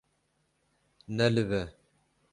Nelive.